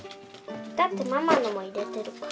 だってママのも入れてるから。